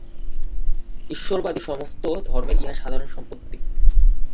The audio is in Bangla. ঈশ্বরবাদী সমস্ত ধর্মেরই ইহা সাধারণ সম্পত্তি।